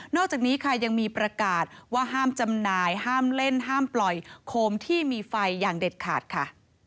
จากนี้ค่ะยังมีประกาศว่าห้ามจำหน่ายห้ามเล่นห้ามปล่อยโคมที่มีไฟอย่างเด็ดขาดค่ะ